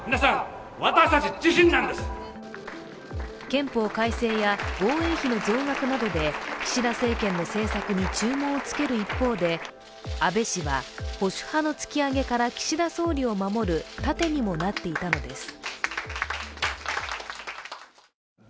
憲法改正や防衛費の増額などで岸田政権の政策に注文をつける一方で、安倍氏は保守派の突き上げから岸田総理を守る盾にもなっていたのです。